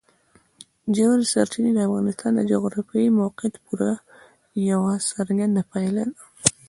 ژورې سرچینې د افغانستان د جغرافیایي موقیعت پوره یوه څرګنده پایله ده.